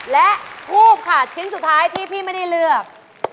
และทูบค่ะชิ้นสุดท้ายที่พี่ไม่ได้เลือก